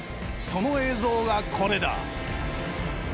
その映像がこれだ。